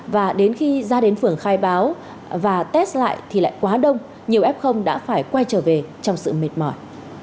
và đến khi ra đến phường khai báo và test lại thì lại quá đông nhiều f đã phải quay trở về trong sự mệt mỏi